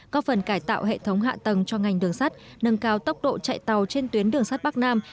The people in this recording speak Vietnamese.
có phần cải tạo hệ thống hạ tầng cho ngành đường sắt nâng cao tốc độ chạy tàu trên tuyến đường sắt bắc nam